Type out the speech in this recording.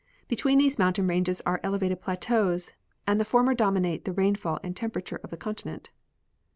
Between these mountain ranges are elevated plateaus, and the former dominate the rainfall and temperature of the continent.